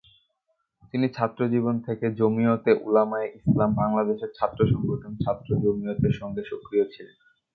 তিনি ছাত্রজীবন থেকে জমিয়তে উলামায়ে ইসলাম বাংলাদেশের ছাত্র সংগঠন ছাত্র জমিয়তের সঙ্গে সক্রিয় ছিলেন।